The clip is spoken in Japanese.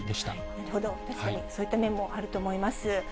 なるほど、確かにそういった面もあると思います。